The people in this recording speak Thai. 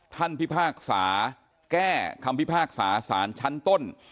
พิพากษาแก้คำพิพากษาสารชั้นต้น